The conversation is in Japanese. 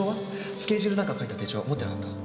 スケジュールなんか書いた手帳持ってなかった？